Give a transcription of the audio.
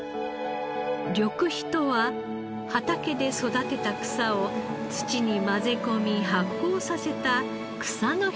緑肥とは畑で育てた草を土に混ぜ込み発酵させた草の肥料の事。